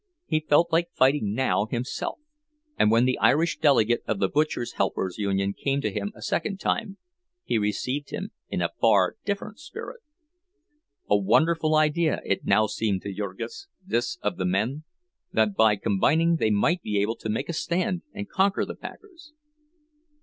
He felt like fighting now himself; and when the Irish delegate of the butcher helpers' union came to him a second time, he received him in a far different spirit. A wonderful idea it now seemed to Jurgis, this of the men—that by combining they might be able to make a stand and conquer the packers!